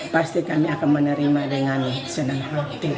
pasti kami akan menerima dengan senang hati